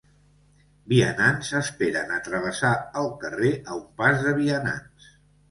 Vianants esperen a travessar el carrer a un pas de vianants.